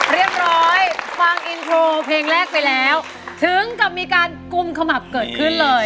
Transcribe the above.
เรียบร้อยฟังอินโทรเพลงแรกไปแล้วถึงกับมีการกุมขมับเกิดขึ้นเลย